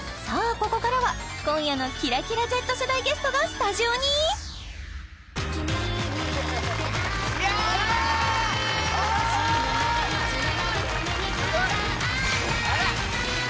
ここからは今夜のキラキラＺ世代ゲストがスタジオにやあ・わあら？